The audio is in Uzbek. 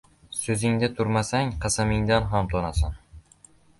• So‘zingda turmasang, qasamingdan ham tonasan.